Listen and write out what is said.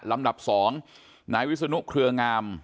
ลำดับ๒นายวิศนุเครืองาม